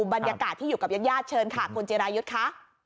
บรรยากาศที่อยู่กับญาติญาติเชิญค่ะคุณจิรายุทธ์ค่ะ